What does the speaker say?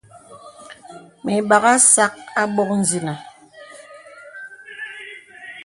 Mə ìbàghā sàk àbok zìnə.